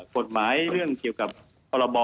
กฎหมายเรื่องเกี่ยวกับพรบ